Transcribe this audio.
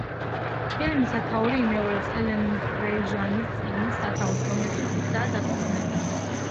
ფილმის სათაური იმეორებს ელენ პრეჟანის წიგნის სათაურს, რომელზეც ისაა დაფუძნებული.